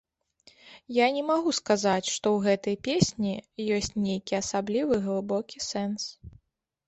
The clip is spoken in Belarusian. Я не магу сказаць, што ў гэтай песні ёсць нейкі асаблівы глыбокі сэнс.